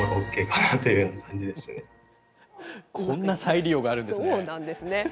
こんな再利用があるんですね。